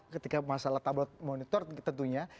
ketika masalah tablot monitor tentunya